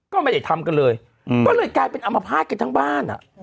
ก็ไม่ได้ทำกันเลยก็เลยกลายเป็นอัมพาตกันทั้งบ้านอ่ะ